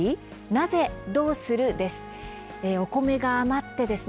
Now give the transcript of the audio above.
なぜ？どうする？」です。